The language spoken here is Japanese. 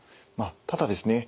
ただですね